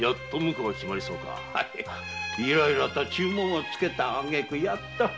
はいいろいろと注文をつけたあげくやっと。